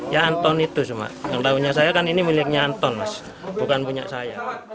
ya anton itu cuma yang tahunya saya kan ini miliknya anton mas bukan punya saya